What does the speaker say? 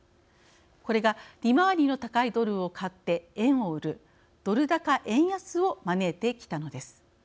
これが利回りの高いドルを買って円を売るドル高円安を招いてきたのです。